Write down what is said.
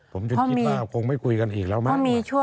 ผมจุดคิดความคงไม่คุยกันอีกแล้วมาก